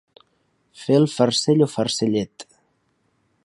Fer el farcell o farcellet.